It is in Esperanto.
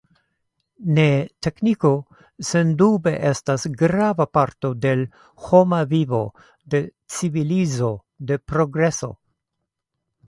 Ne, tekniko sendube estas grava parto de l’ homa vivo, de civilizo, de progreso.